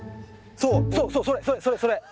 そうそうそれそれそれそれ。